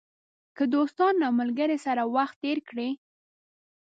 که دوستانو او ملګرو سره وخت تېر کړئ.